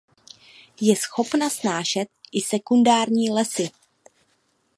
Je schopna snášet i sekundární lesy.